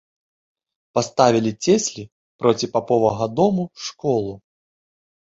Паставілі цеслі проці паповага дому школу.